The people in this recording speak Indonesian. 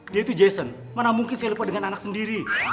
dia itu jason mana mungkin saya lupa dengan anak sendiri